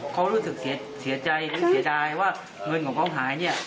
เขารู้สึกเสียใจหรือเสียดายว่าเงินของเขาหาย